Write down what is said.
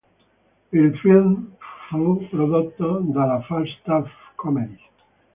Il film fu prodotto dalla Falstaff Comedies.